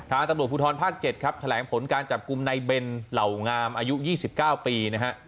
ทางตำรวจภูทรภาคเจ็ดครับแถลงผลการจับกลุ่มในเบนเหล่างามอายุยี่สิบเก้าปีนะฮะ